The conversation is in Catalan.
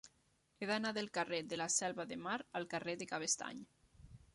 He d'anar del carrer de la Selva de Mar al carrer de Cabestany.